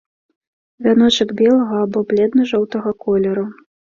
Вяночак белага або бледна-жоўтага колеру.